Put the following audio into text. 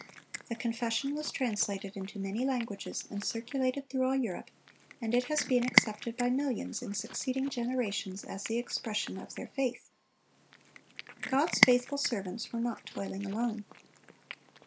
The Confession was translated into many languages, and circulated through all Europe, and it has been accepted by millions in succeeding generations as the expression of their faith. God's faithful servants were not toiling alone.